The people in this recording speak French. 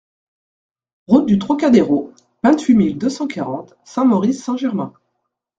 Route du Trocadéro, vingt-huit mille deux cent quarante Saint-Maurice-Saint-Germain